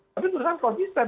tapi terusan kompisten